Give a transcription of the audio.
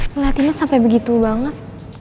ngeliatinnya sampe begitu banget